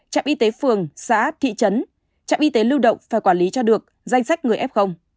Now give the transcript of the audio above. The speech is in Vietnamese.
trạm y tế phường xã thị trấn trạm y tế lưu động phải quản lý cho được danh sách người f